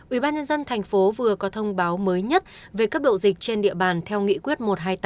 ubnd tp vừa có thông báo mới nhất về cấp độ dịch trên địa bàn theo nghị quyết một trăm hai mươi tám